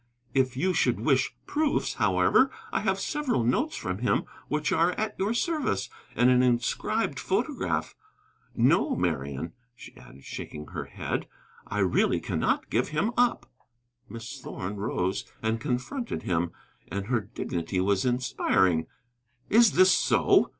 "If you should wish proofs, however, I have several notes from him which are at your service, and an inscribed photograph. No, Marian," she added, shaking her head, "I really cannot give him up." Miss Thorn rose and confronted him, and her dignity was inspiring. "Is this so?"